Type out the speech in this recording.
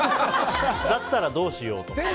だったらどうしようと思って。